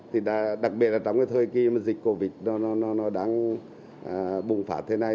thì đặc biệt là trong cái thời kỳ mà dịch covid nó đang bùng phát thế này